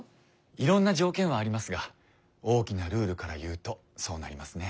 いろんな条件はありますが大きなルールから言うとそうなりますね。